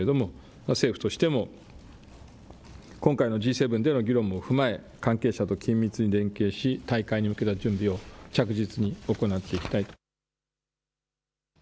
政府としても今回のＧ７での議論も踏まえ関係者と緊密に連携し大会に向けた準備を着実に行っていきたい。